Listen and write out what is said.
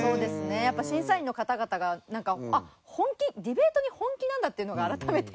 やっぱ審査員の方々がなんかあっ本気ディベートに本気なんだっていうのが改めて。